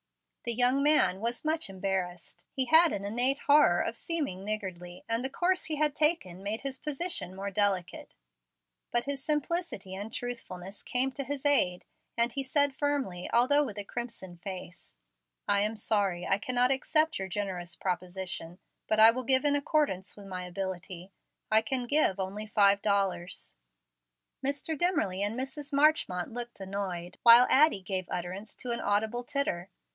The young man was much embarrassed. He had an innate horror of seeming niggardly, and the course he had taken made his position more delicate. But his simplicity and truthfulness came to his aid, and he said firmly, although with a crimson face, "I am sorry I cannot accept your generous proposition, but I will give in accordance with my ability. I can give only five dollars." Mr. Dimmerly and Mrs. Marchmont looked annoyed, while Addie gave utterance to an audible titter.